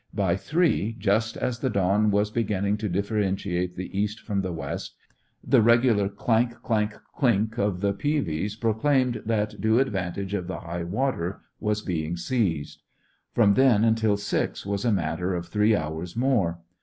By three, just as the dawn was beginning to differentiate the east from the west, the regular clank, clank, clink of the peavies proclaimed that due advantage of the high water was being seized. From then until six was a matter of three hours more.